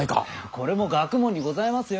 これも学問にございますよ。